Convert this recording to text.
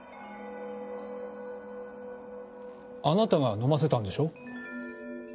あなたが飲ませたんでしょ？